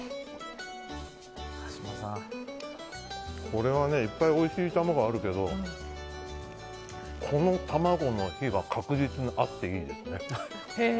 これはねいっぱいおいしい卵あるけどこの卵の日は確実にあっていいですね。